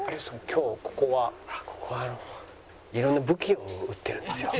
ここは色んな武器を売ってるんですよ。